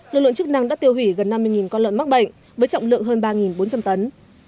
lực lượng chức năng đã tiêu hủy gần năm mươi con lợn mắc bệnh với trọng lượng hơn ba bốn trăm linh tấn